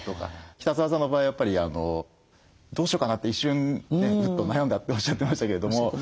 北澤さんの場合やっぱりどうしようかなって一瞬ねぐっと悩んだっておっしゃってましたけども。